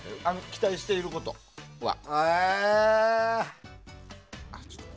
期待してることは。